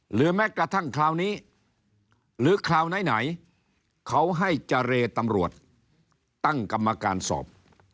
หรือแม้กระทั่งคราวนี้หรือคราวไหนเขาให้เจรตำรวจตั้งกรรมการสอบ